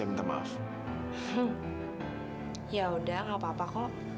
enggak apa apa kak fadil